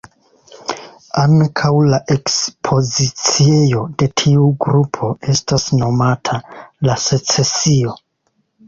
Ankaŭ la ekspoziciejo de tiu grupo estas nomata "La Secesio".